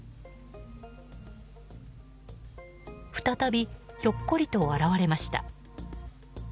再びひょっこりと現れました。